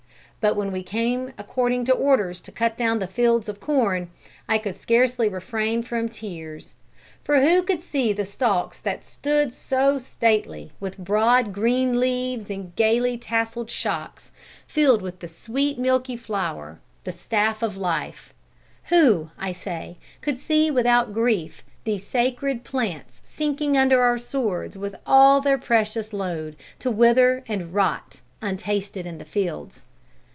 But when we came according to orders to cut down the fields of corn, I could scarcely refrain from tears; for who could see the stalks that stood so stately, with broad green leaves and gaily tasseled shocks, filled with the sweet milky flour, the staff of life, who, I say, could see without grief these sacred plants sinking under our swords with all their precious load, to wither and rot untasted in the fields.